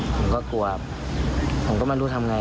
ผมก็กลัวครับผมก็ไม่รู้ทำอย่างไร